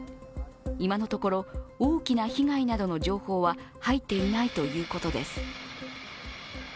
今のところ、大きな被害などの情報は入っていないとのことです。